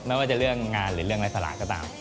ไม่ว่าจะเรื่องงานหรือเรื่องไร้สละก็ตาม